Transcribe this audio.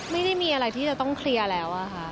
ไม่ได้มีอะไรที่จะต้องเคลียร์แล้วค่ะ